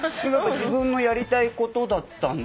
自分のやりたいことだったんで。